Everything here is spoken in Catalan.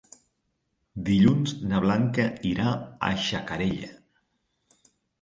Dilluns na Blanca irà a Xacarella.